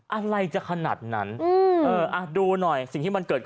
อะไรจะขนาดนั้นดูหน่อยสิ่งที่มันเกิดขึ้น